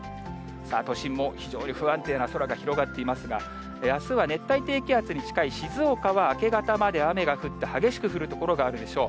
都心も非常に不安定な空が広がっていますが、あすは熱帯低気圧に近い静岡は明け方まで雨が降って、激しく降る所があるでしょう。